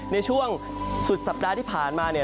ในช่วงสุดสัปดาห์ที่ผ่านมาเนี่ย